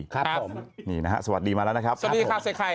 ครับผมสวัสดีมาแล้วนะครับครับผมสวัสดีครับเศษไข่